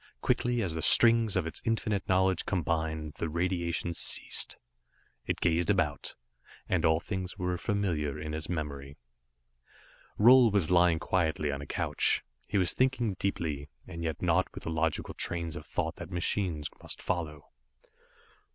Quickly as the strings of its infinite knowledge combined, the radiation ceased. It gazed about it, and all things were familiar in its memory. Roal was lying quietly on a couch. He was thinking deeply, and yet not with the logical trains of thought that machines must follow.